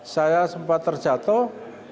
saya sempat terjatuh